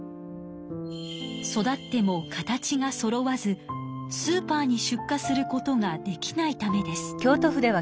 育っても形がそろわずスーパーに出荷することができないためです。